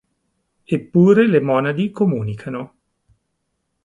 Eppure le monadi comunicano.